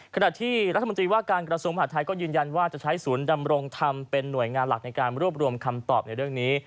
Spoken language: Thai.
ขณะที่รัฐมนตรีว่าการกระทรวงมหาดไทยก็ยืนยันว่าจะใช้ศูนย์ดำรงธรรมเป็นหน่วยงานหลักในการรวบรวมคำตอบในเรื่องนี้